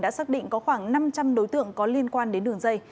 đã xác định có khoảng năm trăm linh đối tượng có liên quan đến đường dây